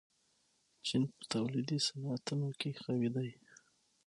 چین په تولیدي صنعتونو کې قوي دی.